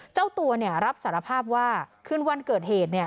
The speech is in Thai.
เจ้าตัวเนี่ยรับสารภาพว่าคืนวันเกิดเหตุ